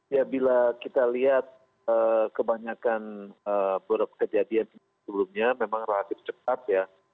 ya bila kita lihat kebanyakan kejadian sebelumnya memang relatif cepat ya